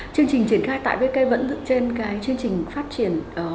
chương trình triển khai tại bk vẫn dựng trên cái chương trình phát triển